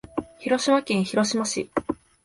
広島県広島市